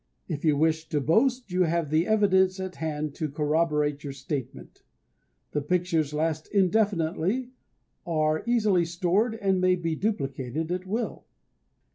If you wish to boast you have the evidence at hand to corroborate your statement. The pictures last indefinitely, are easily stored, and may be duplicated at will.